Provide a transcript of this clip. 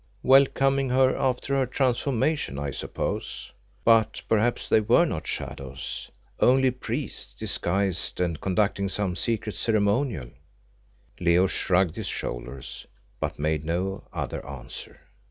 "Welcoming her after her transformation, I suppose. But perhaps they were not shadows only priests disguised and conducting some secret ceremonial!" Leo shrugged his shoulders but made no other answer.